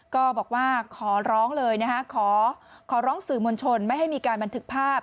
ก็บอกว่าขอร้องสื่อมวลชนไม่ให้มีการบันทึกภาพ